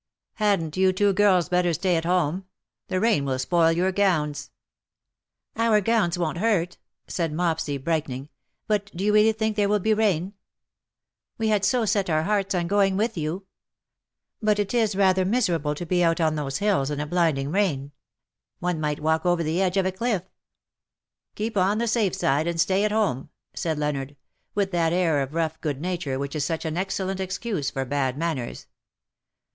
Hadn^t you two girls better stay at home ? The rain will spoil your gowns.^' " Our gowns won^t hurt/^ said Mopsy brighten THAT THE DAY WILL END." '22i3 ing. '' But do you really think there will be rain ? We had so set our hearts on going with yon ; but it is rather miserable to be out on those hills in a blinding rain. One might walk over the edge of a cliff/^ " Keep on the safe side and stay at home/' said Leonard,, with that air of rough good nature which is such an excellent excuse for bad manners.